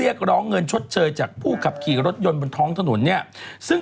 ไปเดินเล่นฟุตบาทให้รถชนเร่ง